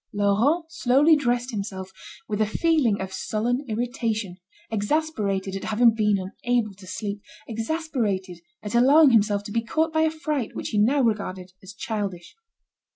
Laurent slowly dressed himself, with a feeling of sullen irritation, exasperated at having been unable to sleep, exasperated at allowing himself to be caught by a fright which he now regarded as childish.